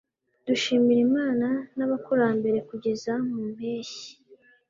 dushimira imana n'abakurambere kuzageza mu mpeshyi